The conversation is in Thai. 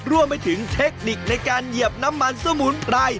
รวมไปถึงเทคนิคในการเหยียบน้ำมันสมุนไพร